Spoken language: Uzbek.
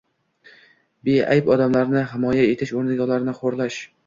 Beayb odamlarni himoya etish o‘rniga ularni xo‘rlash